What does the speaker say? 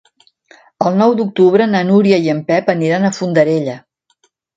El nou d'octubre na Núria i en Pep aniran a Fondarella.